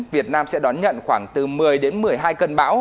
việt nam sẽ đón nhận khoảng từ một mươi đến một mươi hai cơn bão